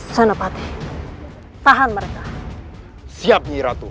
sana pate tahan mereka siap nyiratuh